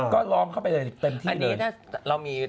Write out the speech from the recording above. ก็ล้อมเข้าไปเต็มที่เลย